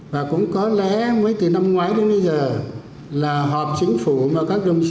và cũng có lẽ mới từ năm ngoái đến bây giờ là họp chính phủ và các đồng chí